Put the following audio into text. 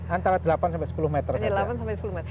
antara delapan sampai sepuluh meter saja